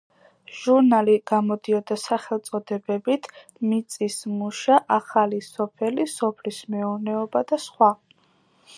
ჟურნალი გამოდიოდა სახელწოდებებით „მიწის მუშა“, „ახალი სოფელი“, „სოფლის მეურნეობა“ და სხვა.